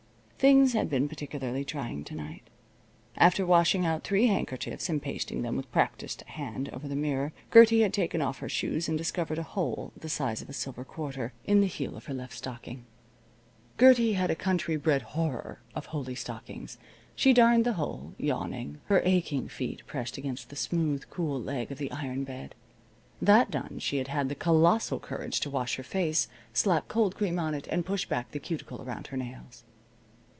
Things had been particularly trying to night. After washing out three handkerchiefs and pasting them with practised hand over the mirror, Gertie had taken off her shoes and discovered a hole the size of a silver quarter in the heel of her left stocking. Gertie had a country bred horror of holey stockings. She darned the hole, yawning, her aching feet pressed against the smooth, cool leg of the iron bed. That done, she had had the colossal courage to wash her face, slap cold cream on it, and push back the cuticle around her nails.